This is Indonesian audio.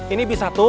ini bis satu